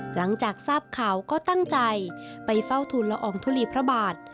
หลังจากทราบข่าวก็ตั้งใจไปเฝ้าทุนละอองทุลีพระบาท